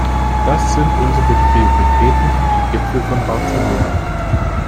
Das sind unsere Prioritäten für den Gipfel von Barcelona.